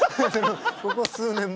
ここ数年も。